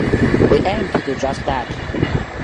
We aim to do just that.